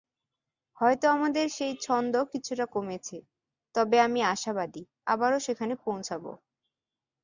হয়তো আমাদের সেই ছন্দ কিছুটা কমেছে, তবে আমি আশাবাদী আবারও সেখানে পৌঁছাব।